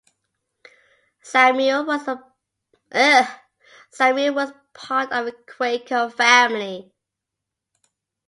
Samuel was part of a Quaker family.